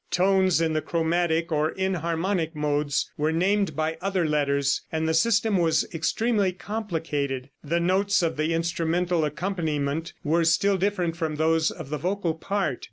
Tones in the chromatic or enharmonic modes were named by other letters, and the system was extremely complicated. The notes of the instrumental accompaniment were still different from those of the vocal part.